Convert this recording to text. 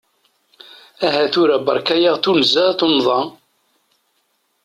Aha tura berka-aɣ tuzya tunḍa!